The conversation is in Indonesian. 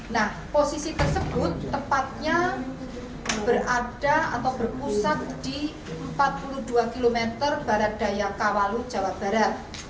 nah posisi tersebut tepatnya berada atau berpusat di empat puluh dua km barat daya kawalu jawa barat